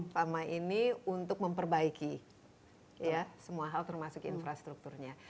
pertama ini untuk memperbaiki ya semua hal termasuk infrastrukturnya